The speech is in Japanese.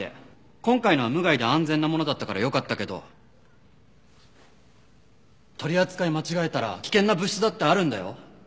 今回のは無害で安全なものだったからよかったけど取り扱い間違えたら危険な物質だってあるんだよ。